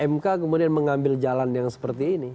mk kemudian mengambil jalan yang seperti ini